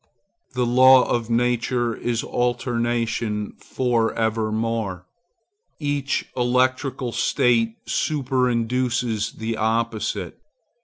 The law of nature is alternation for evermore. Each electrical state superinduces the opposite.